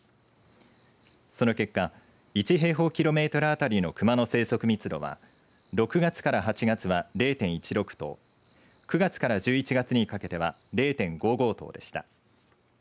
その結果１平方キロメートルあたりのクマの生息密度は６月から８月は０．１６頭９月から１１月にかけては０．５５頭でした。